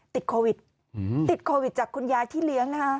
ติดโควิดติดโควิดจากคุณยายที่เลี้ยงนะคะ